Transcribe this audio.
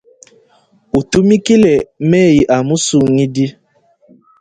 Utumikile meyi a musungidi.